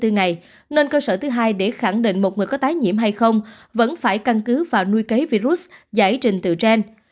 bảy mươi bốn ngày nên cơ sở thứ hai để khẳng định một người có tái nhiễm hay không vẫn phải căn cứ vào nuôi cấy virus giải trình từ trên